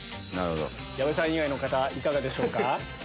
矢部さん以外の方いかがでしょうか？